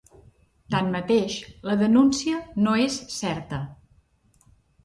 Tanmateix, la denúncia no és certa.